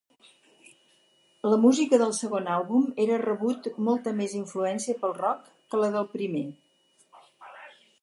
La música del segon àlbum era rebut molta més influència pel rock que la del primer.